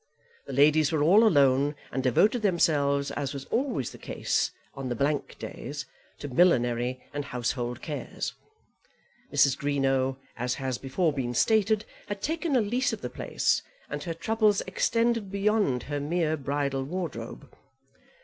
The ladies were all alone, and devoted themselves, as was always the case on the blank days, to millinery and household cares. Mrs. Greenow, as has before been stated, had taken a lease of the place, and her troubles extended beyond her mere bridal wardrobe.